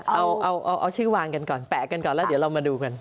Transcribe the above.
เอาชื่อวางกันก่อนแปะกันก่อนแล้วเดี๋ยวเรามาดูกัน